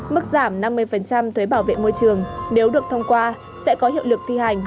mức giảm năm mươi thuế bảo vệ môi trường nếu được thông qua sẽ có hiệu lực thi hành